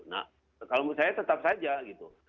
nah kalau menurut saya tetap saja gitu